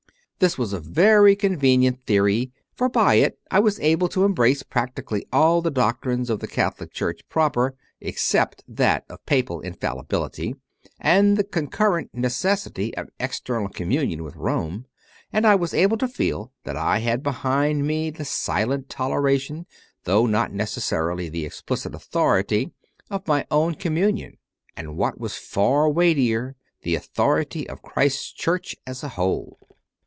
This was a very convenient theory, for by it I was able to embrace practically all the doctrines of the Catholic Church proper, except that of Papal Infallibility and the concurrent neces sity of external communion with Rome; and I was able to feel that I had behind me the silent toleration, though not necessarily the explicit authority, of my CONFESSIONS OF A CONVERT 75 own communion; and, what was far weightier, the authority of Christ s Church as a whole.